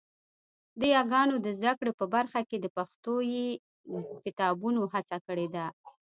د یاګانو د زده کړې په برخه کې د پښويې کتابونو هڅه کړې ده